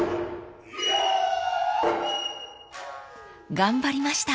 ［頑張りました］